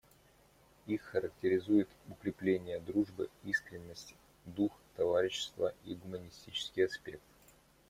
Их характеризует укрепление дружбы, искренность, дух товарищества и гуманистичный аспект.